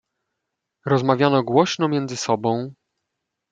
"Rozmawiano głośno między sobą."